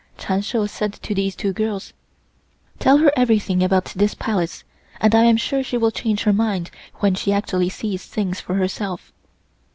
Chun Shou said to these two girls: "Tell her everything about this Palace, and I am sure she will change her mind when she actually sees things for herself."